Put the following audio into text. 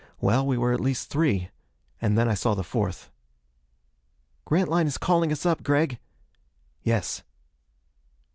Well, we were at least three. And then I saw the fourth. "Grantline is calling us up, Gregg." "Yes."